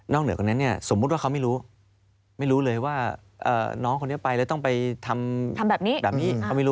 นอกเหนือกับนั้นสมมุติว่าเขาไม่รู้ไม่รู้เลยว่าน้องคนนี้ไปแล้วต้องไปทำแบบนี้